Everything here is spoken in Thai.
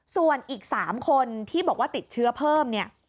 ส่วนอีก๓คนที่บอกว่าติดเชื้อเพิ่มเนี่ย